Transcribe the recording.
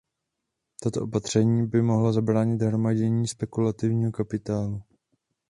Toto opatření by mohlo zabránit hromadění spekulativního kapitálu.